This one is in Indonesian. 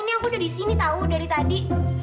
ini aku udah disini tahu dari tadi